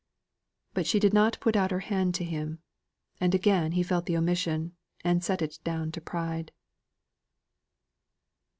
But she did not put out her hand to him, and again he felt the omission, and set it down to pride.